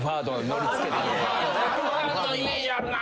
アルファードのイメージあるな。